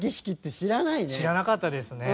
知らなかったですね。